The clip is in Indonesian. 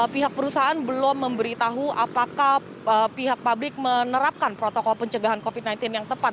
pihak perusahaan belum memberitahu apakah pihak pabrik menerapkan protokol pencegahan covid sembilan belas yang tepat